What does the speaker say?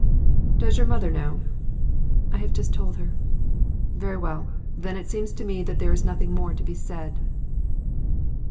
'Does your mother know?' 'I have just told her.' 'Very well, then it seems to me that there's nothing more to be said.